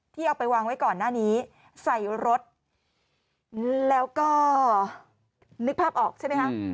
เอาไปวางไว้ก่อนหน้านี้ใส่รถแล้วก็นึกภาพออกใช่ไหมคะ